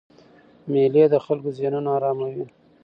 مېلې د خلکو ذهنونه آراموي.